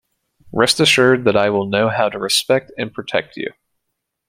Rest assured that I will know how to respect and protect you.